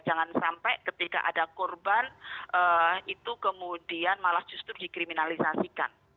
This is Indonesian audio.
jangan sampai ketika ada korban itu kemudian malah justru dikriminalisasikan